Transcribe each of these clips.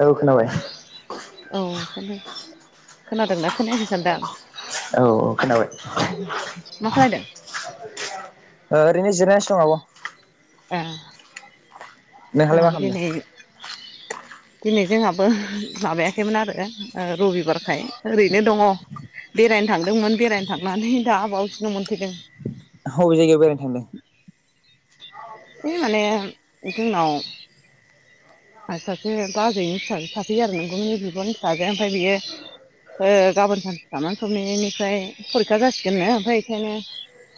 औ खोनाबाय अ खोनादोंना खोनायाखै होनदां? औ औ खोनाबाय । मा खालायदों ओरैनो जिरायसो दं आब' । ए । नोंहालाय मा जाहाबो खालामदों दिनै दिनै जोंहाबो माबायाखैमोन आरो रबिबारखाय ओरैनो दङ बेरायनो थांदोंमोन बेरायनो थांनानै दा बावसो न' मोनफैदों । बबे जायगायाव बेरायनो थांदों ओइ माने जोंनाव आरो सासे बाजैनि फिसाजो सासे आरो नोंगुमैनि बिब'नि फिसाजो ओमफ्राय बियो ओ गाबोन सानसे थानानै सबनेयानिफ्राय फरिखा जासिगोननो ओमफ्राय बेखायनो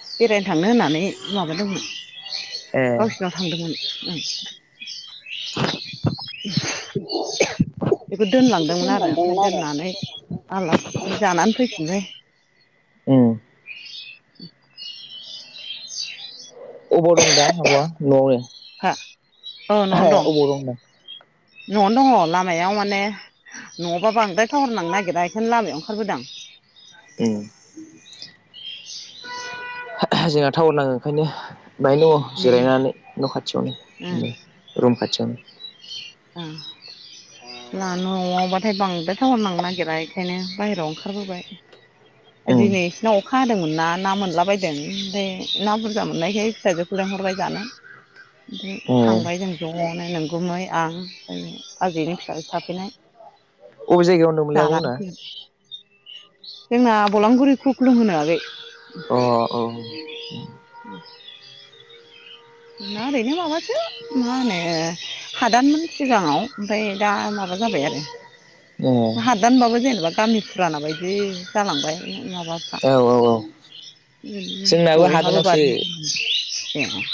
बेरायनो थांनो होननानै माबादोंमोन ए गावसिनाव थांदोंमोन । बेखौ दोनलांदोंमोन आरो । ओमफ्राय दोननानै आलासि जानानै फैफिनबाय । उम अबाव दं दा आब'आ न'आवनो फा औ न'आवनो अबाव दं दा? न'आवनो दङ लामायाव माने न'बो बांद्राय थावाहरनांनो नागिरा बेखायनो लामायाव ओंखारबोदां । उम्म। जोंहा थावोर नाङो ओंखायनो बाहाययनो दङ उम जिरायनानै न' उम खाथियावनो रुम खाथि थियावनो ओ जोंहानि न' आवबाथाय बांद्राय थायोरनांनो नागिरा बेखायनो बाहेरायाव ओंखारबोबाय उम दिनै बिसिनाव अखा हादोंमोन ना ना मोनलाबायदों ओमफ्राय ना बुरजा मोननायखाय फिसाजोखौ लिंहरबाय जानो ओमफ्राय ए थांबाय जों ज'नो नोंगुमै आं आबैनि फिसाजो थाफैनाय । अबे जायगायाव होनदोंमोनलाय आबमोना? जोंना बलांगुरि खुख्लुं होनो आगै। अ अ [inaudible] जोंना ओरैनो माबासो मा होनो हादानमोन सिगाङाव ओमफ्राय दा माबा जाबाय आरो ए हादान बाबो जे जेनेबा गामि फुराना बायदि जालांबाय। औ औ औ [inaudible] उम उम जोंनाबो बयहाबो हादानावसो बारि [unintelligible] [unintelligible]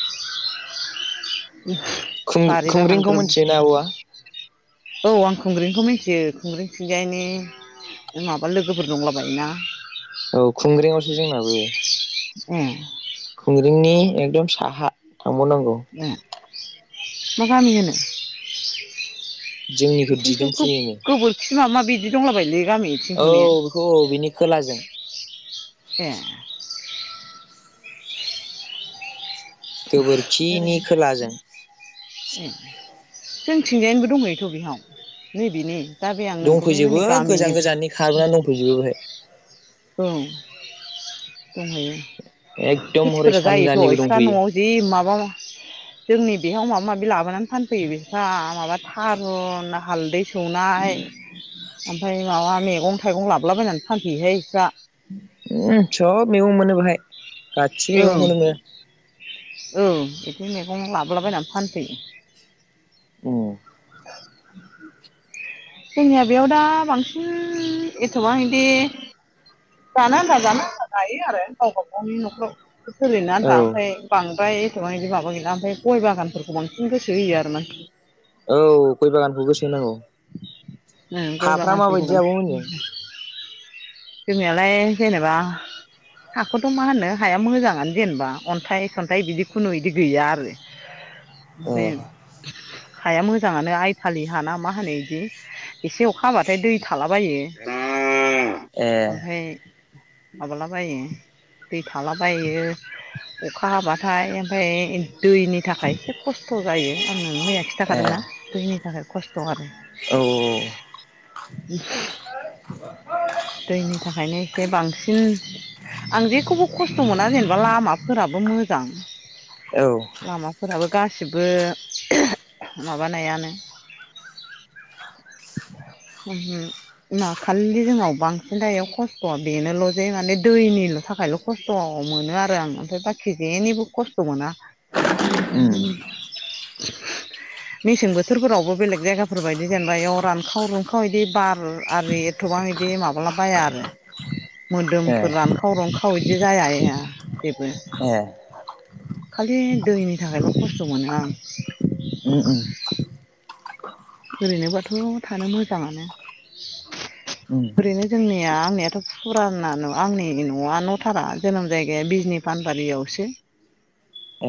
खुं बारि बागान खुंग्रिंखौ ग्रोम ग्रोम मिथियोना आब'वा? जायो औ आं खुंग्रिंखौ मिन्थियो खुंग्रिं खिंजायनि माबा लोगोफोर दंला बायोना। औ खुंग्रिंआवसो जोंनाबो ए खुग्रिंनि एकदम साहा थांबाव नांगौ। ए मा गामि होनो? जोंनिखौ बिथिंनोथ' दिदोमफुरि होनो गो-गोबोरखि मा मा बिदि दंलाबायलै गामि बिथिंथ' औ ने बेखौ औ बिनि खोलाजों ए ओरै गोबोरखिनि खोलाजों जोंथिंजायनोबो दंहैथ' बेहाव नैबेनि। दंफैजोबो गोजान गोजाननि खारबोनानै दंफैजोबो बेहाय। औ दंहैयो। एकदम हरै खेथिफोरा जायोथ' सानजानिबो इस्रा दंफैयो न'आव जि माबा जोंनि बेहाव माबा माबि लाबोनानै फानफैयो बिस्रा माबा थारुन ना हालदैस सौनाय ओमफाय माबा मेगं थाइगं लाबलाबायनानै फानफैयोहाय बिस्रा। उम सब मेगं मोनो‌। खौहाय गासिब ओं मेगंखोनो मोनो। ओं इदि मैगं लाबोलाबायनानै फानफैयो। उम जोंनिया बेयाव दा बांसिन एथबां इदि जानो आनथा जानो आनथा गायो आरो गावबा गावनि न'खराव। सोलिनो औ आनथा ओमफ्राय बांद्राय एथ'बां इदि माबा गैला ओमफाय गय बागानफोरखौ बां औ गय बागानखौ गोसो होनांगौ। ओं गय हाफ्रा बागानफोरखौ माबायदि बां आब'मोननिजों जोंनियालाय जेनेबा हाखौथ' मा होननो हाया मोजाङानो जेनेबा अन्थाइ सन्थाइ बिदि खुनु इदि गैया आरो। अ बे। हाया मोजाङानो आइथालि हा ना मा होनो इदि। एसे अखा हाबाथाय दै थालाबायो। ए ओमफाय माबालाबायो दै थालाबायो अखा हाबाथाय ओमफाय दैनि थाखाय एसे खस्थ' जायो आं नोंनो मैया खिथाखादोंना दैनि थाखाय खस्थ' आरो। औ एसे औ औ। दैनि थाखायनो एसे बांसिन आं जेखौबो खस्थ' मोना जेनेबा लामाफोराबो मो जां। औ लामाफोराबो गासिबो माबानायानो ओमहो मा खालि जोंनाव बांसिन दायो खस्थ' बेनोल' जे माने दैनिल' थाखायल' खस्थ' मोनो आरो आं ओमफ्राय बाखि जेनिबो खस्थ' मोना। उम उमहो। मेसें बोथोरफोरावबो बेलेग जायगाफोर बायदि जेनेबा इयाव रानखाव रुनखाव [unintelligible] बार आरि एथ'बां बिदि माबाला बाया आरो। ए मोदोमफोर रानखाव रुनखाव बिदि जाया [unintelligible] ए। खालि दैनि थाखायल' खस्थ' मोनो आं। उम उम ओरैनोबाथ' थानो मोजांङानो उम ओरैनो जोंनिया आंनियाथ' फुराना न' आंनि न'आ न' थारा जोनोम जायगाया बिजिनि पानबारियावसो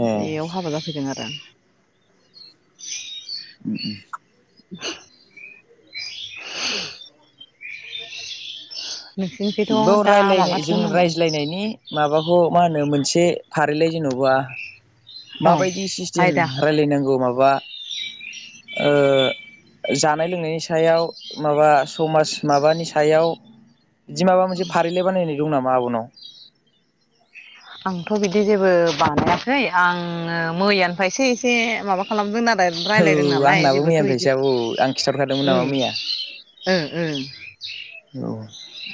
ए बेयाव हाबा जाफैदों आरो आं [unintelligible] [unintelligible] नोंसिनिखैथ' बेयाव दा रायलायनाय माबाथ' जों नालाय रायज्लायनायनि माबाखौ मा होनो मोनसे फारिलाय जेन'बा औ माबायदि सिस्टेम आयदा रायलायनांगौ माबा ओ जानाय लोंनायनि सायाव माबा समाज माबानि सायाव बिदि माबा मोनसे फारिलाइ बानायनाय दं ना [unintelligible] आंथ' बिदि जेबो बानायाखै आङो मैयानिफ्राय एसे एसे माबा खालामदों नालाय रायलायदों औ नालाय आंनाबो जेबोथ' बिदि मैयानिफायसो औ आं खिथाहरखादोंमोन नामा मैया? ओ ओं। औ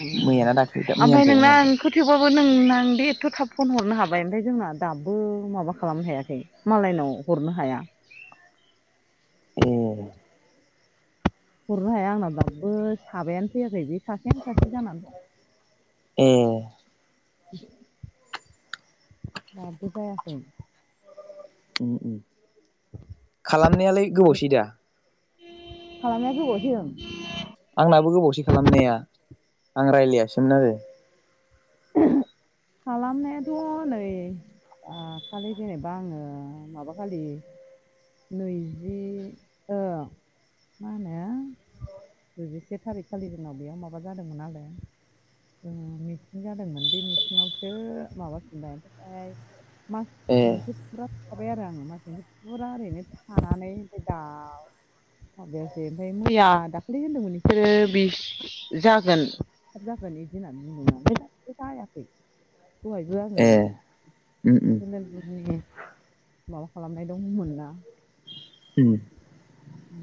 ओ मैयाना दाख्लै दा ओमफ्राय मैयानिफ्राय नोंना आं मैयानिफ्राय खोथेबाबो नोंना दे एथ' थाब फन हरनो हाबाय ओमफ्राय जोंना दाबो माबा खालामनो हायाखै मालायनाव हरनो हाया। एह। हरनो हाया आंनाव दाबो साबायानो फैयाखै बे सासेयानो सासे जानानै दं। एह। दाबो जायाखै। ओम ओम। खालामनायालाय गोबावसै दा? खालामनाया गोबावसै‌ ओम। आंनाबो गोबावसै खालामनाया आं रायलायासोमोन आरो। खालामनायाथ' नै आ खालि जेनेबा आङो माबाखालि नैजि ओ मा होनो द जिसे थारिख खालि जोंनाव बेयाव माबा जादोंमोन आरो मिथिं जादोंमोन बे मिथिंङावसो माबाफिनबाय। ओमफ्राय मास ए मोनसे फुरा थाबाय आरो आंङो मास मोनसे फुरा ओरैनो थानानै ओमफ्राय दाउ माबायासै ओमफ्राय मैया दाखालि होनदोंमोन इसोरो बिस जागोन थाब जागोन इदि होननानै बुंदोंमोन आमफ्राय दा बे जायाखै। दहायबो आंङो ए उम उम ओं माबा खालामनाय दंमोन ना उम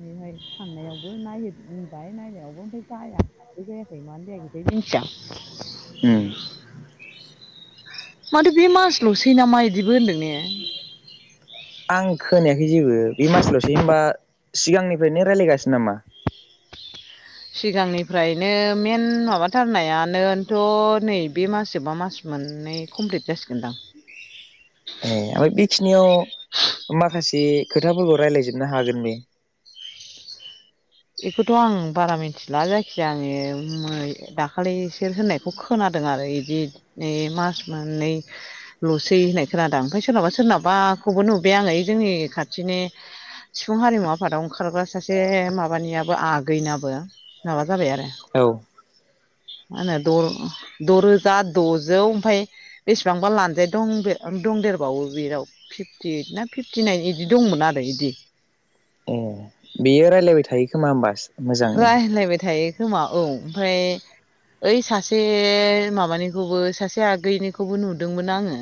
नै हाय थांनायावबो नायबाय नायनायावबो ओमफ्राय जाया दाबो जायाखै। मानो जायाखैथाय मिथिया आं माथो बे मासल'सै नामा इदिबो होनदों ने? आं खोनायाखै जेबो बे मासल'सै होनबा सिगांनिफ्रायनो रायलायगासिनो नामा? सिगांनिफ्रायनो मेन माबाथारनायानोनथ' नै बे मास जोब्बा मास मोननै कमप्लिट जासिगोनदां। ए बेखिनियाव माखासे खोथाफोरखौ रायलायजोबनो हागोन बे? इखौथ' आं बारा मिथिला जायखिजाया आंङो मो दाखालि इसोर होननायखौ खोनादों आरो इदि इ मास मोननैल'सै होननाय खोनादों ओमफ्राय सोरनावाबा सोरनावबाखौबो नुबाय आंङो ओइ जोंनि खाथिनि सिफुं हारिमु आफादाव ओंखारग्रा सासे मा बानियाबो आगैनाबो माबा जाबाय आरो औ मा होनो द' द' रोजा द'जौ ओमफाय बेसेबांबा लानजाय दं दंदेरबावो बेनाव फिफटि ओइट ना फिफ्टि नाइन इदि दंमोन आरो इदि। ए बेयो रायलायबाय थायो खोमा होमबा मोजांनो रालायबाय थायो खोमा औ ओमफ्राय ओइ सासे माबानिखौबो सासे आगैनिखौबो नुदोंमोन आङो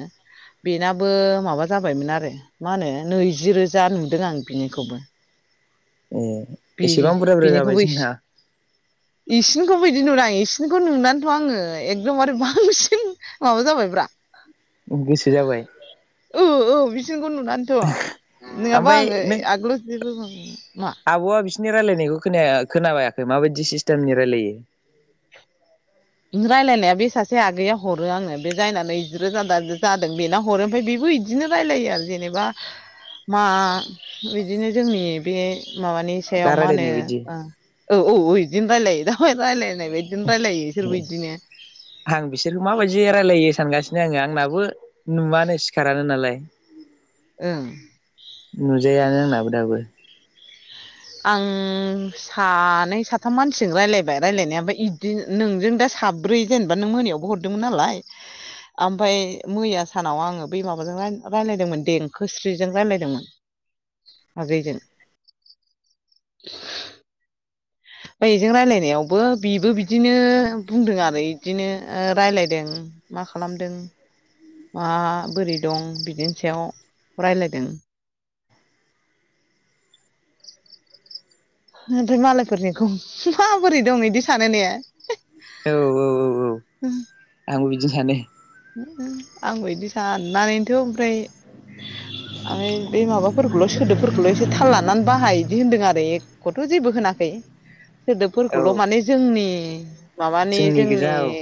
बेनाबो माबा जाबायमोन आरो मा होनो नैजि रोजा नुदों आं बिनिखौबो। ए बि एसेबां बुरजा बुरजा जाबाय जोंना इसिनिखौ बिदि नु आ इसिनिखौ नुनानैथ' आङो एकदमबारे बांसिन माबा जाबायब्रा गोसो जाबाय। ओ ओ बिसिखौ नुनानैथ' नङाबा ओमफ्राय आङो नों आगोलाव जेबो माबायामोन, मा नि रायलायनायखौ खोना-खोनाबायाखै माबायदि सिस्टेमनि रायलायो? रायलायनाया बे सासे आगैया हरो आङो बे जायनानै जिरोजा दा जादों बेनो हरो। ओमफ्राय बेबो बिदिनो रायलायो आरो जेनेबा मा बिदिनो जोंनि बे माबानि दा सायाव मा होनो रायलायनाय बायदि ओ औ औ ओं इदिनो रायलाय नाय बादिनो रायलायो। बिसोरबो बिदिनो आं बिसोरखौ माबायदि रायलायो सानगासिनो आङो आंनाबो नुवानो सिखारा नालाय ओं नुजायानो आंनाबो दाबो आं सानै साथाम मानसिजों रायलायबाय रायलायनाया ओमफाय इदि नोंजों दा साब्रै जेनेबा नों मोनायावबो हरदोंमोन नालाय आमफाय मैया सानाव आङो बै माबाजों रायजलायदोंमोन देंखोस्रिजों रायजलायदोंमोन आगैजों [inaudible] ओमफाय बेजों रायलायनायावबो बिबो बिदिनो बुंदों आरो इदिनो रायलायदों मा खालामदों मा बोरै दं बिदिनि सायाव रायलायदों। ओमफ्राय मालायफोरनिखौ माबोरै दं इदि सानो ने औ औ औ औ उम आंबो बिदिनो सानो आंबो बिदि साननानैथ' ओमफ्राय आमफाय बे माबाफोरखौल' सोदोबफोरखौल' एसे थाल लानानै बाहाय इदि होन्दों आरो एखौथ' जेबो होनाखै औ सोदोबफोरखौल' माने जोंनि माबानि जोंनि गोजा औ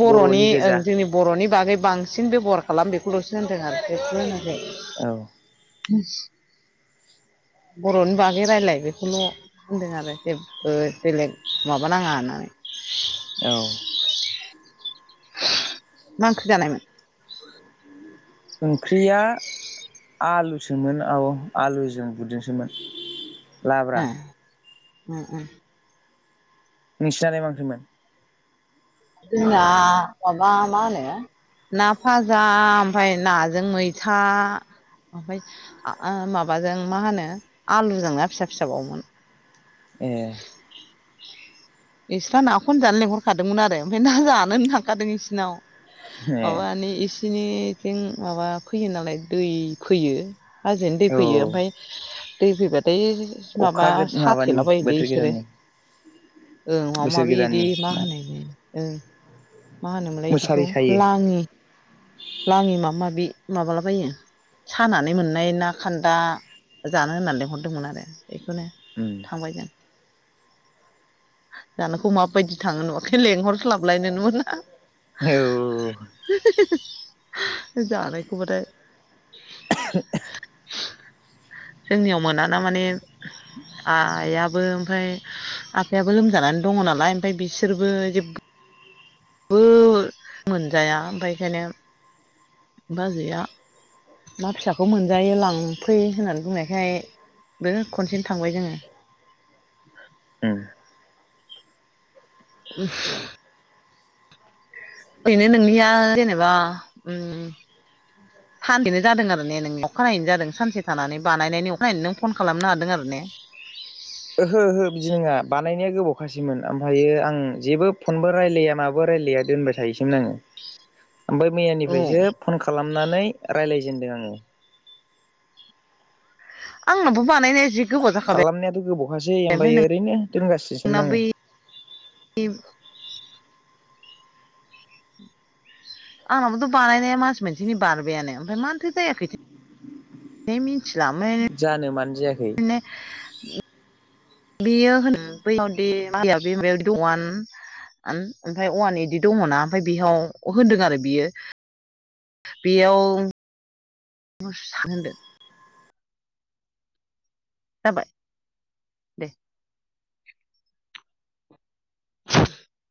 बर'नि ओं जोंनि बर'नि बागै बांसिन बेब'हार खालाम बेखौल'सो होनदों आरो बेखौ होनाखै औ बर'नि बागै रायलाय बेखौल' होनदों आरो जेबबो बेलेग माबा नाङा होननानै औ मा ओंख्रि जानायमोन? ओंख्रिया आलुसोमोन औ आलुजों बुदजोंसोमोन। लाब्रा ओ ओ नोंसिनालाय मा ओंख्रैमोन? जोंना माबा मा होनो ना फाजा ओमफाय नाजों मैथा ओमफाय माबाजों मा होनो आलुजों ना फिसा फिसाबाव मोन। ए इस्रा नाखौनो जानो लेंहरखादोंमोन आरो ओमफ्राय ना जानोन थांखादों इसिनाव ए माबानि इसिनिथिं माबा फैयो नालाय दै फैयो हाजोनि दै औ फैयो ओमफाय दै फैबाथाय माबा अखा गो सा माबानि सोला बायोलै बोथोर इसोरो गोदाननि ओं माबा बोसोर माबि इदि गोदाननि मा होनो ओं मा होनोमोनलाय बिदिखौ मुसारि सायो लाङि लाङि माबा माबि। माबालाबायो सानानै मोननाय ना खान्दा जानो होननानै लिंहरदोंमोन आरो बेखौनो उम थांबाय जों जानोखौ माबादि थाङो नुवाखै लेंहरस्लाबलायनोनो मोना। औ औ औ जानायखौ बा थाय जोंनियाव मोनाना माने आइयाबो ओमफाय आफायाबो लोमजानानै दङ नालाय ओमफाय बिसोरबो जेबबो बो मोनजाया ओमफाय एखायनो बाजैआ ना फिसाखौ मोनजायो लांफै होननानै बुंनायखाय बो खनसेनो थांबाय जोङो। उम [unintelligible] ओरैनो नोंनिया जेनेबा ओम सानसेनो जादों आरो ने नों अखानायैनो जादों सानसे थानानै बानायनायनि अखानायै नों फन खालामनो हादों आरो ने? ओहो ओहो बिदि नङा बानायनाया गोबाव खासैमोन आमफायो आं जेबो फनबो रायलाया माबो रायलाया दोनबाय थायोसैमोन आङो। ओमफ्राय औ मैयानिफ्रायसो फन खालामनानै रायलाय जेनदों आंङो आंनावाबो बानायनाय जि गोबाव जाखाबाय खालामनायाथ गोबावखासै ओमफ्राय ओरैनो दोनगासिनोसोम आंङो उम आंनाबोथ बानायनाया मास मोनसेनि बारबायानो ओमफ्राय मानोथो जायाखैथो थाय मि जानो मानो जायाखै बेयो होनो बैयावदि मया बे अवान ओमफ्राय अवान बिदि दंङना ओमफ्राय बेयाव होनदों आरो बियो बेयाव होनदों जाबाय दे